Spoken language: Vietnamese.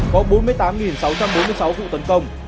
có bốn mươi tám sáu trăm bốn mươi sáu vụ tấn công